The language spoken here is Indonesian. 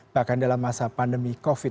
bahkan dalam masa pandemi covid sembilan belas